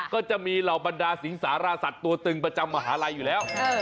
ก็จะมีเหล่าบรรดาสิงสารสัตว์ตัวตึงประจำมหาลัยอยู่แล้ว